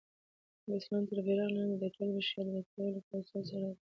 د اسلام تر بیرغ لاندي د ټول بشریت راټولول په اصولو سره کيږي.